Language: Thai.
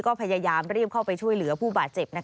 ก็พยายามรีบเข้าไปช่วยเหลือผู้บาดเจ็บ